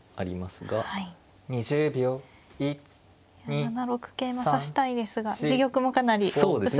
７六桂馬指したいですが自玉もかなり薄くなるんですね。